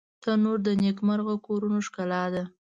تنور د نیکمرغه کورونو ښکلا ده